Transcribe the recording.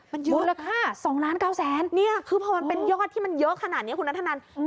มันเยอะมายค่ะสองล้านเก้าแสนเนี้ยคือเพราะว่ามันเป็นยอดที่มันเยอะขนาดนี้คุณน้ำนทนน